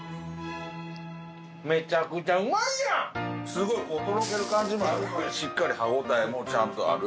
すごいこうとろける感じもあるのにしっかり歯応えもちゃんとある